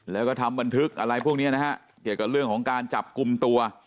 แล้วก็ทำบันทึกอะไรพวกนี้นะฮะเกี่ยวกับเรื่องของการจับกลุ่มตัว